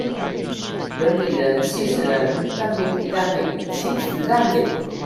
人比人氣死人，蛋餅比蛋餅，起司蛋餅